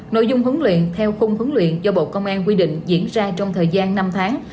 nội dung huấn luyện theo khung huấn luyện do bộ công an quy định diễn ra trong thời gian năm tháng